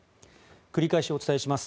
繰り返しお伝えします。